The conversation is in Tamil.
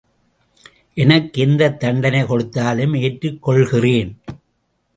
எனக்கு எந்த தண்டனை கொடுத்தாலும் ஏற்றுக் கொள்கிறேன்!